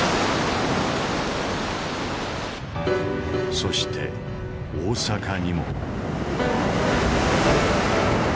そして大阪にも。